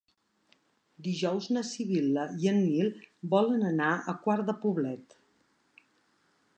Dijous na Sibil·la i en Nil volen anar a Quart de Poblet.